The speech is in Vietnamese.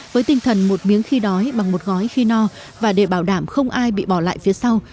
với tinh thần một miếng khi đói bằng một gói khi no và để bảo đảm không ai bị bỏ lại phía sau